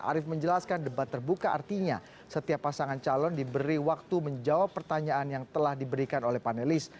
arief menjelaskan debat terbuka artinya setiap pasangan calon diberi waktu menjawab pertanyaan yang telah diberikan oleh panelis